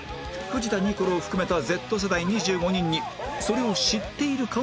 藤田ニコルを含めた Ｚ 世代２５人にそれを知っているかを質問